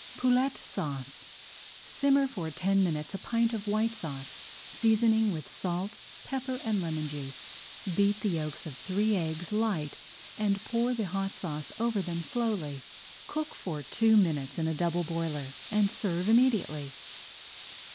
POULETTE SAUCE Simmer for ten minutes a pint of White [Page 35] Sauce, seasoning with salt, pepper, and lemon juice. Beat the yolks of three eggs light and pour the hot sauce over them slowly. Cook for two minutes in a double boiler, and serve immediately.